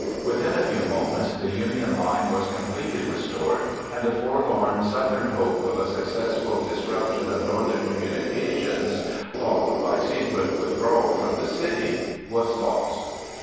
Within a few moments the Union line was completely restored and the forlorn Southern hope of a successful disruption of Northern communications, followed by secret withdrawal from the city, was lost.